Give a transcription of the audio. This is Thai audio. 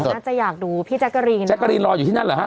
น่าจะอยากดูพี่แจ๊กกะรีนแจกรีนรออยู่ที่นั่นเหรอฮะ